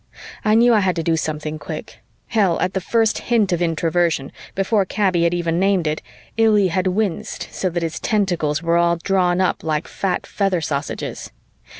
I knew I had to do something quick. Hell, at the first hint of Introversion, before Kaby had even named it, Illy had winced so that his tentacles were all drawn up like fat feather sausages.